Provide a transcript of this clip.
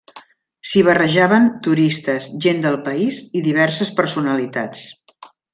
S'hi barrejaven turistes, gent del país i diverses personalitats.